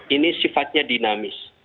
ini sifatnya dinamis